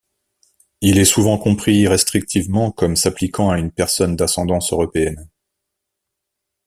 Il est souvent compris restrictivement comme s'appliquant à une personne d'ascendance européenne.